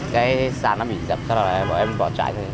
cái sàn nó bị dập ra rồi bà em bỏ chạy